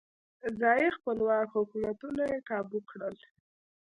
ځايي خپلواک حکومتونه یې کابو کړل.